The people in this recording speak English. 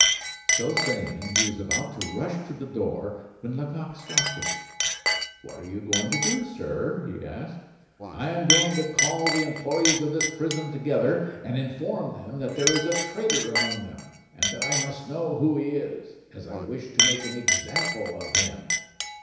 So saying, he was about to rush to the door when Lecoq stopped him. "What are you going to do, sir?" he asked. "I am going to call all the employees of this prison together, and inform them that there is a traitor among them, and that I must know who he is, as I wish to make an example of him.